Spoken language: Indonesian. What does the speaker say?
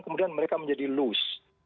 kemudian mereka menjadi loose